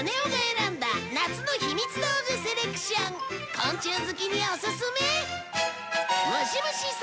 昆虫好きにおすすめ！